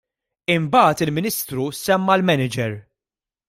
Imbagħad il-Ministru semma l-manager.